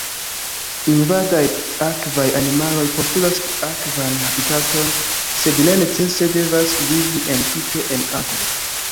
Invadaj akvaj animaloj postulas akvan habitaton, sed ne necese devas vivi entute en akvo.